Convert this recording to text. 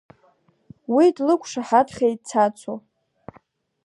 Уи длықәшаҳаҭхеит Цацу.